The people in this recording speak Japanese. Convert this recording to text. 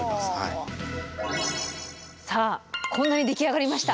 さあこんなに出来上がりました。